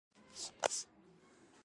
چي په منځ کي د همزولو وه ولاړه